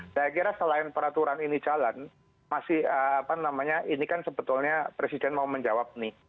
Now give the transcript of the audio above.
saya kira selain peraturan ini jalan masih apa namanya ini kan sebetulnya presiden mau menjawab nih